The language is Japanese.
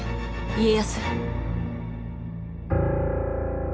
家康。